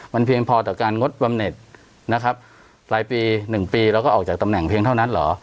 มันเพียงพอต่อการงดบำเน็ตนะครับรายปี๑ปีแล้วก็ออกจากตำแหน่งเพียงเท่านั้นเหรอ